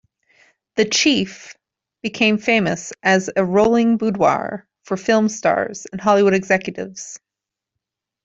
The "Chief" became famous as a "rolling boudoir" for film stars and Hollywood executives.